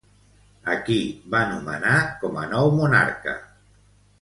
A qui va nomenar com a nou monarca?